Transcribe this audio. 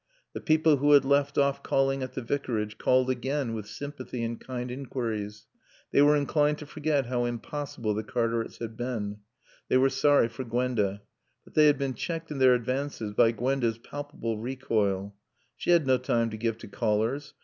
The people who had left off calling at the Vicarage called again with sympathy and kind inquiries. They were inclined to forget how impossible the Cartarets had been. They were sorry for Gwenda. But they had been checked in their advances by Gwenda's palpable recoil. She had no time to give to callers.